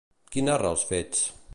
Qui narra els fets?